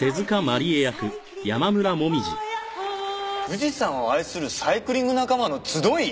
富士山を愛するサイクリング仲間の集い？